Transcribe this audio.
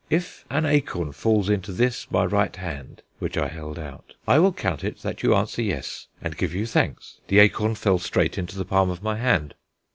If an acorn falls into this my right hand" (which I held out) "I will count it that you answer yes and give you thanks." The acorn fell straight into the palm of my hand.